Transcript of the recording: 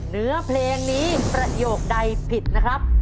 เนื้อเพลงนี้ประโยคใดผิดนะครับ